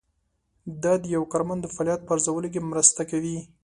دا د یو کارمند د فعالیت په ارزولو کې مرسته کوي.